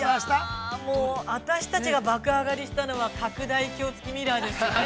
◆いや、もう私たちが爆上がりしたのは拡大鏡付きミラーですよね。